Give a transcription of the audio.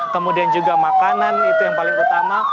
kemudian juga makanan itu yang paling utama